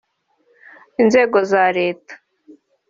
inzego za Leta